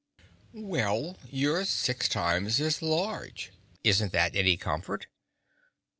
"Well, you're six times as large; isn't that any comfort?"